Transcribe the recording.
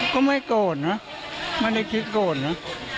ก็ไม่โกรธนะไม่ได้คิดโกรธนะ